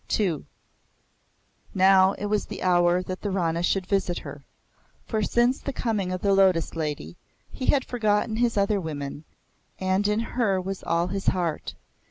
II Now it was the hour that the Rana should visit her; for since the coming of the Lotus Lady, he had forgotten his other women, and in her was all his heart.